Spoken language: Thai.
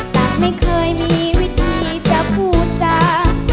แต่ไม่เคยมีวิธีจะพูดจาก